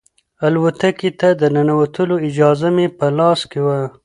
الوتکې ته د ننوتلو اجازه مې په لاس کې وه.